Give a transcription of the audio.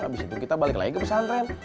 habis itu kita balik lagi ke pesantren